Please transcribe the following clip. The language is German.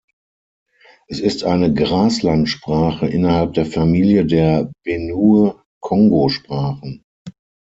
Es ist eine Grasland-Sprache innerhalb der Familie der Benue-Kongo-Sprachen.